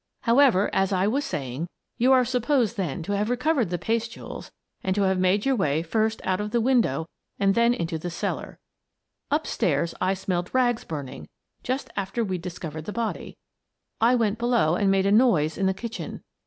However, as I was saying, you are supposed then to have recovered the paste jewels and to have made your way first out of the window and then into the cellar. Up stairs, I smelled rags burning just after we'd discovered the body. I went below and made a noise in the kitchen.